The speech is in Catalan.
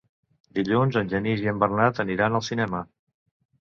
Dilluns en Genís i en Bernat aniran al cinema.